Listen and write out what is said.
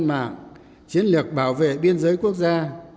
chiến lược bảo vệ dân mạng chiến lược bảo vệ biên giới quốc gia